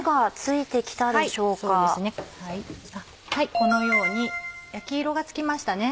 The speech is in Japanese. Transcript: このように焼き色がつきました。